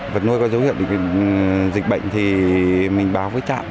vật nuôi có dấu hiệu dịch bệnh thì mình báo với trạm